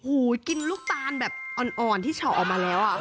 โอ้โหกินลูกตาลแบบอ่อนที่เฉาะออกมาแล้ว